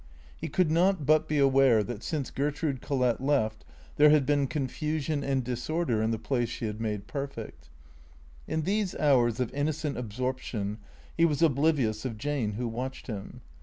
He could not but be aware that since Gertrude Collett left there had been con fusion and disorder in the place she had made perfect. In these hours of innocent absorption he was oblivious of Jane who watched him.